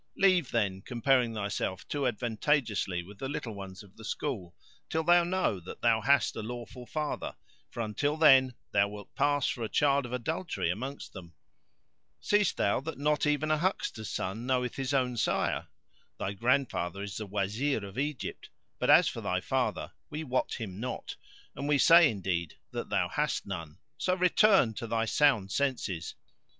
Leave, then, comparing thyself too advantageously with the little ones of the school, till thou know that thou hast a lawful father; for until then thou wilt pass for a child of adultery amongst them. Seest thou not that even a huckster's son knoweth his own sire? Thy grandfather is the Wazir of Egypt; but as for thy father we wot him not and we say indeed that thou hast none. So return to thy sound senses!"